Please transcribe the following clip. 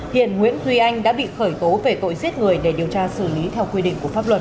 hiện nguyễn duy anh đã bị khởi tố về tội giết người để điều tra xử lý theo quy định của pháp luật